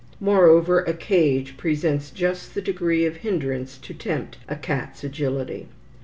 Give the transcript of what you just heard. Moreover, a cage presents just the degree of hindrance to tempt a cat's agility.